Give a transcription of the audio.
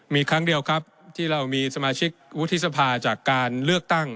มีครั้งเดียวครับที่เรามีสมาชิกวุฒิสภาจากการเลือกตั้ง